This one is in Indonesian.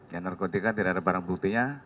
ya narkotika tidak ada barang buktinya